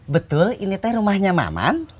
betul ini teh rumahnya maman